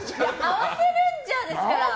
合わせルンジャーですから。